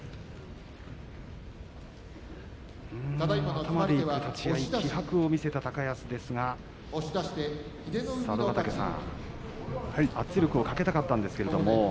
頭でいく立ち合い気迫を見せた高安ですが佐渡ヶ嶽さん、圧力をかけたかったんですけれども。